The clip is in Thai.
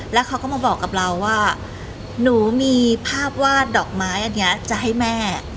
แล้วเขาก็มาบอกกับเราว่าหนูมีภาพวาดดอกไม้อันนี้จะให้แม่